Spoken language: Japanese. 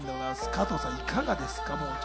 加藤さん、いかがですか？